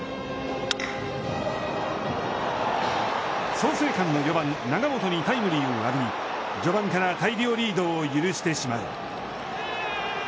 創成館の４番永本にタイムリーを浴び、序盤から大量リードを許してしまう。